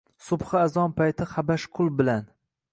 Subhi azon payti habash qul bilan